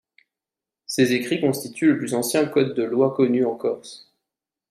Ces écrits constituent le plus ancien code de loi connu en Corse.